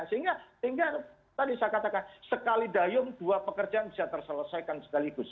sehingga tadi saya katakan sekali dayung dua pekerjaan bisa terselesaikan sekaligus